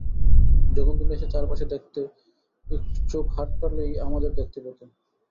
যখন তুমি এসে চারপাশে দেখতে একটু চোখ হাঁটালেই আমাদের দেখতে পেতে।